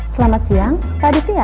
selamat siang pak aditya